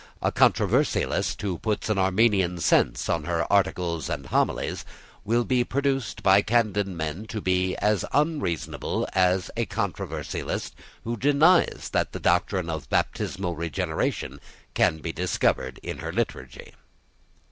A controversialist who puts an Arminian sense on her Articles and Homilies will be pronounced by candid men to be as unreasonable as a controversialist who denies that the doctrine of baptismal regeneration can be discovered in her Liturgy.